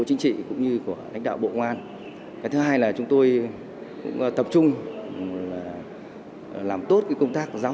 chính trị cũng như của lãnh đạo bộ ngoan cái thứ hai là chúng tôi cũng tập trung làm tốt công tác giáo